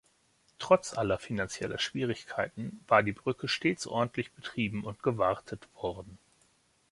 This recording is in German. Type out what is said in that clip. Trotz aller finanzieller Schwierigkeiten war die Brücke stets ordentlich betrieben und gewartet worden.